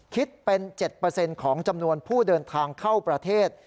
คิดเป็น๗ของจำนวนผู้เดินทางเข้าประเทศ